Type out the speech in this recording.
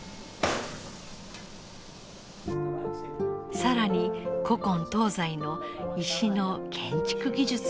更に古今東西の石の建築技術を研究。